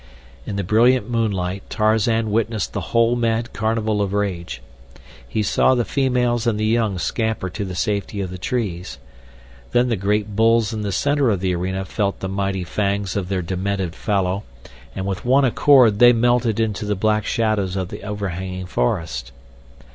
In the brilliant moonlight Tarzan witnessed the whole mad carnival of rage. He saw the females and the young scamper to the safety of the trees. Then the great bulls in the center of the arena felt the mighty fangs of their demented fellow, and with one accord they melted into the black shadows of the overhanging forest.